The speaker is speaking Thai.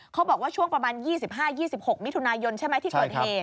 เขาบอกว่าช่วงประมาณ๒๕๒๖มิถุนายนใช่ไหมที่เกิดเหตุ